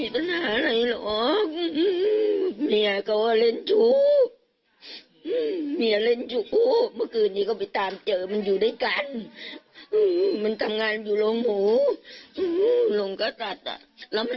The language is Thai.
ประเทศผู้บัตรเกษาก็แคล้นะคะ